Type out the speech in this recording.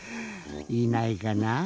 いないかなぁ？